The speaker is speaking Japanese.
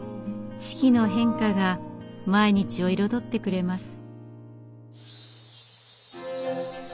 四季の変化が毎日を彩ってくれます。